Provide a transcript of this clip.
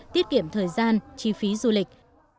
tiết kiệm thời gian chi phí du lịch